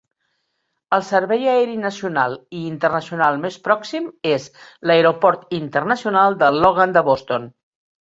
El servei aeri nacional i internacional més pròxim és l'Aeroport Internacional de Logan de Boston.